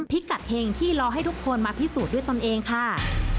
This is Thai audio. พิกัดเห็งที่รอให้ทุกคนมาพิสูจน์ด้วยตนเองค่ะ